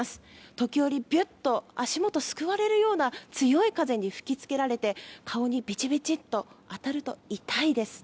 時折、びゅっと足元をすくわれるような強い風に吹きつけられて顔にびちびちと当たると痛いです。